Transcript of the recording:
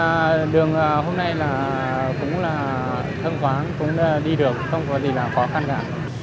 thì đường hôm nay là cũng là thân khoáng cũng đi được không có gì là khó khăn cả